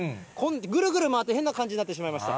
ぐるぐる回って、変な感じになってしまいました。